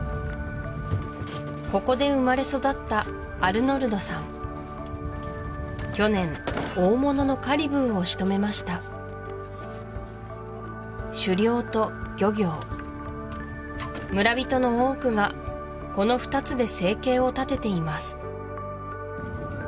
ここで生まれ育った去年大物のカリブーをしとめました狩猟と漁業村人の多くがこの２つで生計を立てています